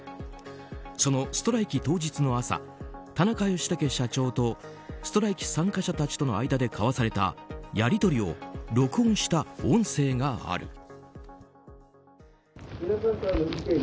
そのストライキ当日の朝田中義剛社長とストライキ参加者たちとの間で交わされたやり取りを録音した音声がある。